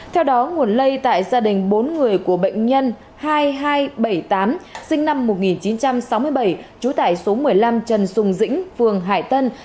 theo đó nguồn lây tại gia đình bốn người của bệnh nhân hai nghìn hai trăm bảy mươi tám sinh năm một nghìn chín trăm sáu mươi bảy trú tại số một mươi năm trần sùng dĩnh phường hải tân